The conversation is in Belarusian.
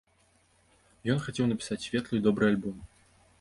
Ён хацеў напісаць светлы і добры альбом.